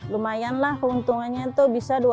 lumayan lah keuntungannya itu bisa rp dua ratus sehari